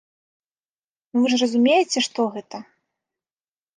Ну вы ж разумееце, што гэта?